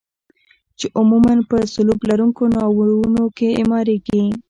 چې عموما په سلوب لرونکو ناوونو کې اعماریږي.